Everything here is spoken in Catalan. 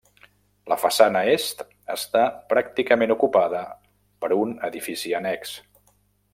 La façana est està pràcticament ocupada per un edifici annex.